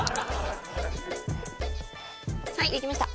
はいできました。